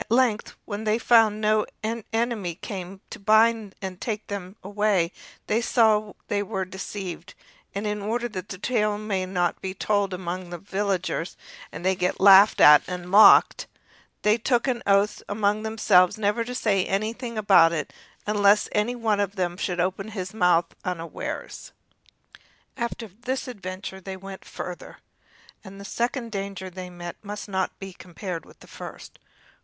At length, when they found no enemy came to bind and take them away, they saw they were deceived, and in order that the tale might not be told of them among the villagers, and they get laughed at and mocked, they took an oath among themselves never to say anything about it unless any one of them should open his mouth unawares. After this adventure they went farther, but the second danger they met with must not be compared with the first.